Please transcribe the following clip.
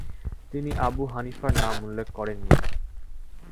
তিনি আবু হানিফার নাম উল্লেখ করেননি।